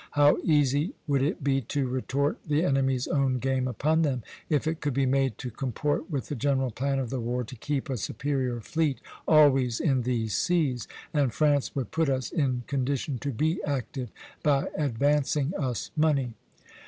How easy would it be to retort the enemy's own game upon them, if it could be made to comport with the general plan of the war to keep a superior fleet always in these seas, and France would put us in condition to be active by advancing us money."